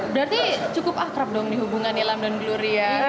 berarti cukup akrab dong dihubungan nilam dan gloria